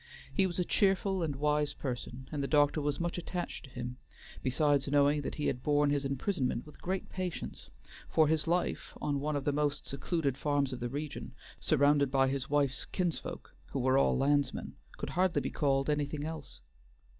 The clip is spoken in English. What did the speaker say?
He was a cheerful and wise person, and the doctor was much attached to him, besides knowing that he had borne his imprisonment with great patience, for his life on one of the most secluded farms of the region, surrounded by his wife's kinsfolk, who were all landsmen, could hardly be called anything else.